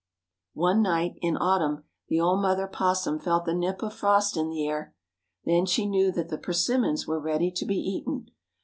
One night, in autumn, the old mother opossum felt the nip of frost in the air. Then she knew that the persimmons were ready to be eaten.